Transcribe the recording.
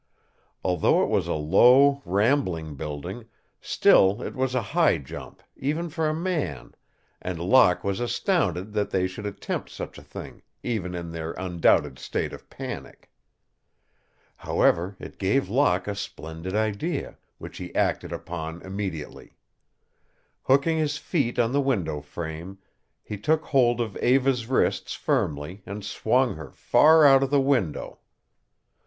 Although it was a low, rambling building, still it was a high jump, even for a man, and Locke was astounded that they should attempt such a thing, even in their undoubted state of panic. However, it gave Locke a splendid idea, which he acted upon immediately. Hooking his feet on the window frame, he took hold of Eva's wrists firmly and swung her far out of the window.